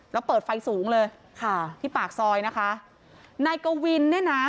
แล้วเปิดไฟสูงเลยค่ะที่ปากซอยนะคะนายกวินเนี่ยนะ